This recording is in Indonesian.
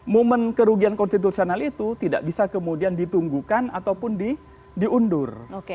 momen kerugian konstitusional itu tidak bisa kemudian ditunggukan ataupun diundur